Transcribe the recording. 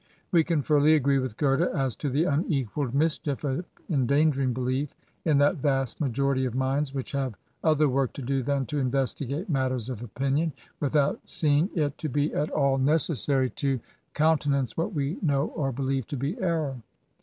We can fully agree with Gothe as to the unequalled mischief of endangering belief in that vast majority of minds which have other work to do than to investigate matters of opinion, without seeing it to be at all necessary to countenance what we know or believe to be error.